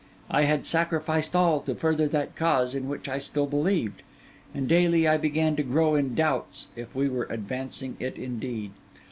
I had sacrificed all to further that cause in which I still believed; and daily I began to grow in doubts if we were advancing it indeed.